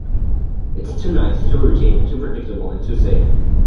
It's too nice, too routine, too predictable, and too safe.